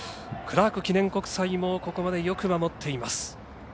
クラーク記念国際もここまでよく守っています。